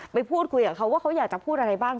ไปพูดคุยกับเขาว่าเขาอยากจะพูดอะไรบ้าง